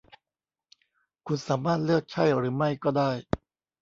คุณสามารถเลือกใช่หรือไม่ก็ได้